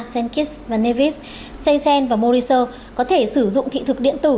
senkis manevis seisen và morisot có thể sử dụng thị thực điện tử